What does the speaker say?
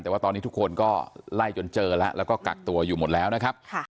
แต่ว่าตอนนี้ทุกคนก็ไล่จนเจอแล้วแล้วก็กักตัวอยู่หมดแล้วนะครับ